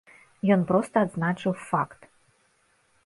Ён проста адзначыў факт.